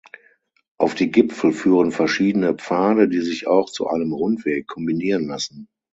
Auf die Gipfel führen verschiedene Pfade, die sich auch zu einem Rundweg kombinieren lassen.